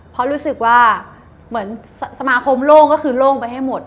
เพราะรู้สึกว่าเหมือนสมาคมโล่งก็คือโล่งไปให้หมด